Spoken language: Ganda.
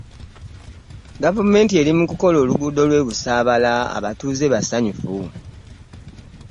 Gavumenti eri mukukola luguudo lwe Busabala abatuuze basanyufu.